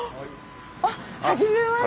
あっはじめまして！